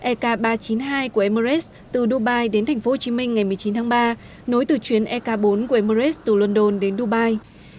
ek ba trăm chín mươi hai của emirates từ dubai đến tp hcm ngày một mươi chín tháng ba nối từ chuyến ek bốn của emirates từ london đến dubai